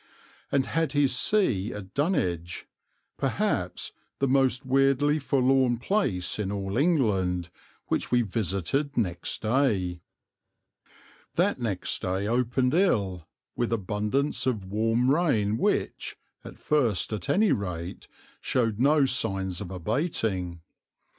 and had his see at Dunwich, perhaps the most weirdly forlorn place in all England, which we visited next day. That next day opened ill, with abundance of warm rain which, at first at any rate, showed no signs of abating.